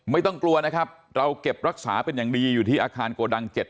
ไม่ต้องกลัวนะครับเราเก็บรักษาเป็นอย่างดีอยู่ที่อาคารโกดัง๗